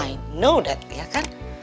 i know that ya kan